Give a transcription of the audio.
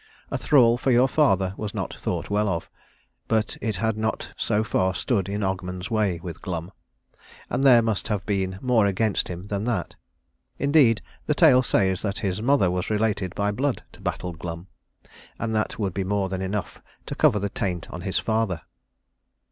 A thrall for your father was not thought well of; but it had not so far stood in Ogmund's way with Glum, and there must have been more against him than that. Indeed, the tale says that his mother was related by blood to Battle Glum, and that would be more than enough to cover the taint on his father.